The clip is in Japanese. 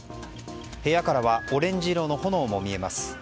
部屋からはオレンジ色の炎も見えます。